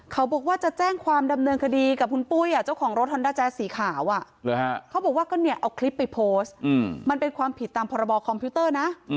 เขาบอกว่าก็เอาคลิปไปโพสต์มันเป็นความผิดตามพรบคอมพิวเตอร์นะ